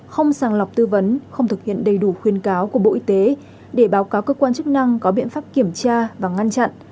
không sàng lọc tư vấn không thực hiện đầy đủ khuyên cáo của bộ y tế để báo cáo cơ quan chức năng có biện pháp kiểm tra và ngăn chặn